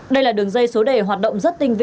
đây là đường dây số đề hoạt động rất tinh vi